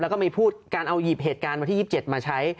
แล้วก็มีพูดการเอาหยิบเหตุการณ์วันที่๒๗มาใช้